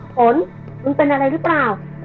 ฝนมึงเป็นอะไรรึเปล่า